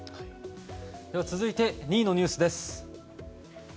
続いて２位のニュースです。